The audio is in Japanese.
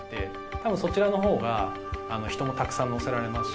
たぶんそちらのほうが人もたくさん乗せられますし。